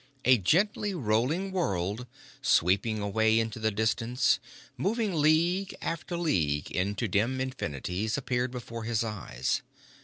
A gently rolling world sweeping away into the distance, moving league after league into dim infinities, appeared before his eyes.